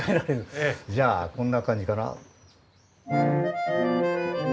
じゃあこんな感じかな？